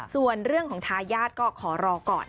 ส่วนเรื่องของทายาทก็ขอรอก่อน